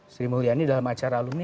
sri mulyani dalam acara alumni